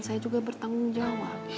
saya juga bertanggung jawab